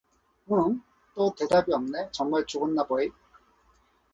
으응, 또 대답이 없네. 정말 죽었나 버이.